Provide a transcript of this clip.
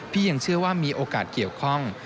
ยังเชื่อว่ามีโอกาสเกี่ยวข้อง